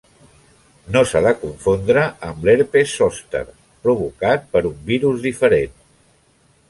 No s'ha de confondre amb l'herpes zòster, provocat per un virus diferent.